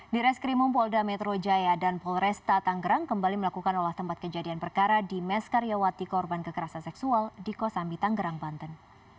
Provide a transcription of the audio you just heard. di reskrimum polda metro jaya dan polresta tanggerang kembali melakukan olah tempat kejadian perkara di mes karyawati korban kekerasan seksual di kosambi tanggerang banten